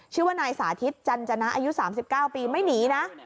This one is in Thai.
ชื่อว่านายสาธิตจันจนะอายุ๓๙ปีไม่หนีนะ